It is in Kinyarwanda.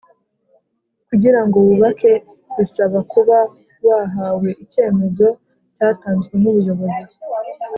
Kugira ngo wubake bisaba kuba wahawe icyemezo cyatanzwe n’ubuyobozi